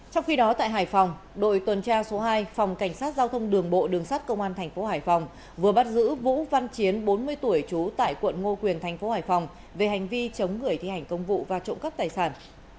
trong khi đó tại hải phòng đội tuần tra số hai phòng cảnh sát giao thông đường bộ đường sát công an thành phố hải phòng vừa bắt giữ vũ văn chiến bốn mươi tuổi trú tại quận ngô quyền thành phố hải phòng về hành vi chống người thi hành công vụ và trộm cắp tài sản